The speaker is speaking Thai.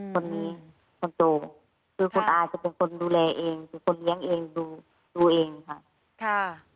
คนโตคือคุณอาจะเป็นคนดูแลเองคือคนเลี้ยงเองดูเองค่ะ